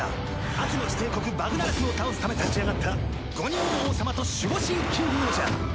悪の地帝国バグナラクを倒すため立ち上がった５人の王様と守護神キングオージャー